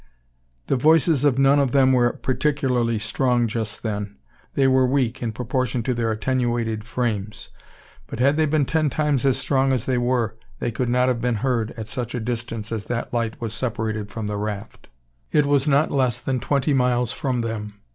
The voices of none of them were particularly strong just then. They were weak, in proportion to their attenuated frames; but had they been ten times as strong as they were, they could not have been heard at such a distance as that light was separated from the raft. It was not less than twenty miles from them.